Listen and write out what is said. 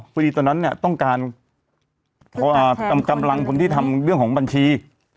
อ๋อพูดดีตอนนั้นต้องการกำลังคนที่ทำเรื่องของบัญชี